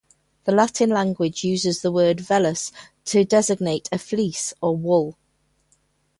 The Latin language uses the word "vellus" to designate "a fleece" or "wool".